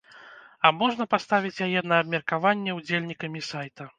А можна паставіць яе на абмеркаванне ўдзельнікамі сайта.